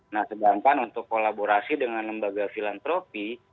nah sedangkan untuk kolaborasi dengan lembaga filantropi